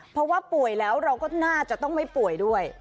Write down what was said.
เพราะว่าป่วยแล้วเราก็น่าจะต้องไม่ป่วยด้วย